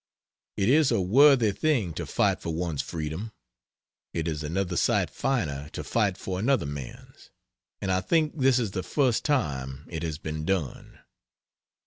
It is a worthy thing to fight for one's freedom; it is another sight finer to fight for another man's. And I think this is the first time it has been done.